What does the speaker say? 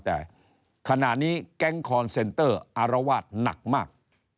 แต่ขณะนี้แก๊งคอนเซนเตอร์อารวาสหนักมาก